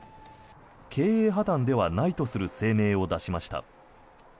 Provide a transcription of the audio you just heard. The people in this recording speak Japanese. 経営破たんではないとする声明を出しました。